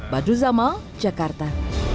badu zamal jakarta